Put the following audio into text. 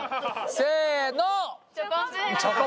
せの！